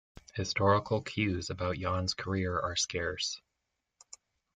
Historical clues about Yan's career are scarce.